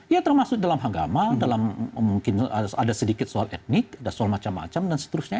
ya termasuk dalam agama dalam mungkin ada sedikit soal etnik ada soal macam macam dan seterusnya